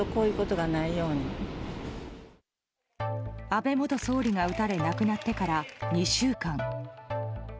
安倍元総理が撃たれ亡くなってから、２週間。